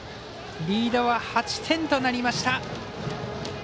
リードは８点となりました。